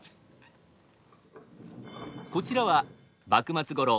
こちらは幕末ごろ